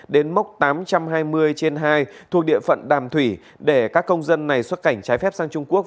đến mốc tám trăm hai mươi trên hai thuộc địa phận đàm thủy để các công dân này xuất cảnh trái phép sang trung quốc